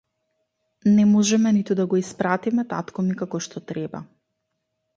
Не можеме ниту да го испpaтиме тaткo ми како што треба